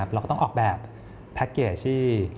เราก็ต้องออกแบบแพ็คเกจที่